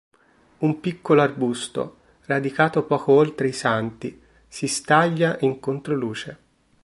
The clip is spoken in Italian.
Un piccolo arbusto, radicato poco oltre i santi, si staglia in controluce.